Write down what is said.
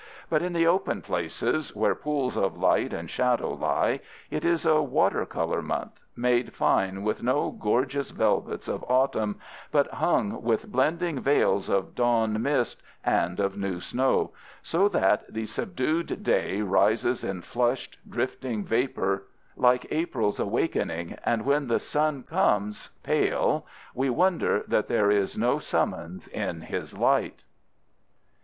But in the open places, where pools of light and shadow lie, it is a water color month, made fine with no gorgeous velvets of autumn, but hung with blending veils of dawn mist and of new snow, so that the subdued day rises in flushed, drifting vapors, like April's awakening, and when the sun comes, pale, we wonder that there is no summons in his light.